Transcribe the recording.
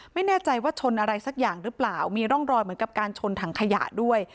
ไม่แน่ใจว่าชนอะไรสักอย่างหรือเปล่ามีร่องรอยเหมือนกับการชนถังขยะด้วย